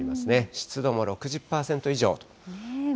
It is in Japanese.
湿度も６０％以上。